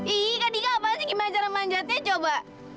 ih kak dika apaan sih gimana cara manjatnya coba